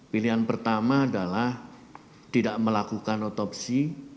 pilihan pertama adalah tidak melakukan otopsi